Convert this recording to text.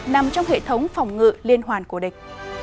nằm trong hệ thống phòng ngự liên hoàn của địch